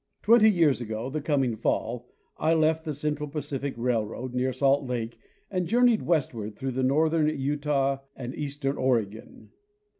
Twenty years ago the coming fall I left the Central Pacific railroad near Salt Lake and journeyed westward through northern Utah and eastern Oregon.